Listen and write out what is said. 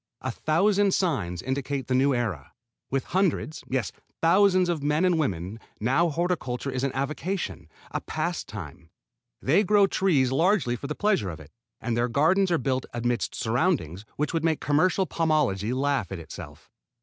A thousand signs indicate the new era. With hundreds yes thousands of men and women now horticulture is an avocation, a pastime. They grow trees largely for the pleasure of it; and their gardens are built amidst surroundings which would make commercial pomology laugh at itself.